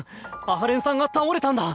阿波連さんが倒れたんだ。